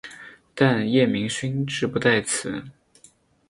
但叶明勋志不在此。